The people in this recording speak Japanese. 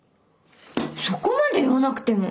そこまで言わなくても。